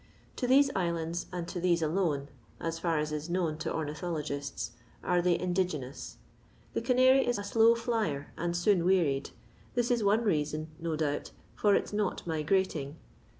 To these islands and to these alone (as far as is known to ornithologists) are they indigenous. The canary is a slow fljrer and soon wearied ; this is one reason no doubt for its not migrating.